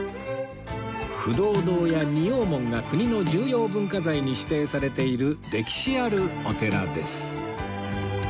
不動堂や仁王門が国の重要文化財に指定されている歴史あるお寺です